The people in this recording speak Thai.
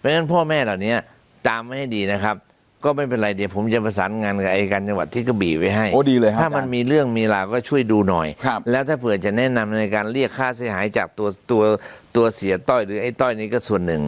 แล้วถ้าเผื่อจะแนะนำในการเรียกค่าเสียหายจากตัวตัวตัวเสียต้อยหรือไอ้ต้อยนี้ก็ส่วนหนึ่ง